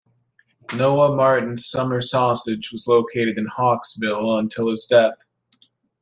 Noah Martin's summer sausage was located in Hawkesville until his death.